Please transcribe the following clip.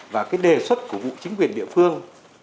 và cái đề xuất của vụ chính quyền địa phương